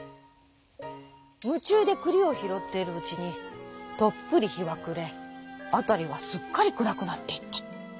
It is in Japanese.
むちゅうでくりをひろっているうちにとっぷりひはくれあたりはすっかりくらくなっていった。